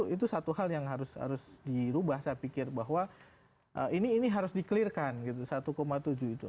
itu satu hal yang harus dirubah saya pikir bahwa ini harus dikelirkan satu tujuh itu